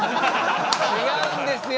違うんですよ！